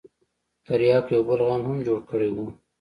ترياکو يو بل غم هم جوړ کړى و.